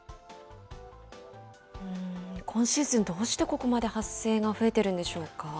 今シーズン、どうしてここまで発生が増えているんでしょうか。